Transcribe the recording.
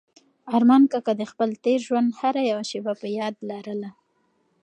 ارمان کاکا د خپل تېر ژوند هره یوه شېبه په یاد لرله.